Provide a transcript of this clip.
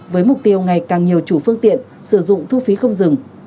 với mục tiêu ngày càng nhiều chủ phương tiện sử dụng thu phí không dừng